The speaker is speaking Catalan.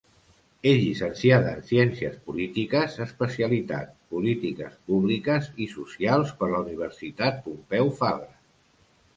És llicenciada en Ciències Polítiques, especialitat polítiques públiques i socials per la Universitat Pompeu Fabra.